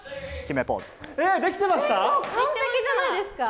もう完璧じゃないですか！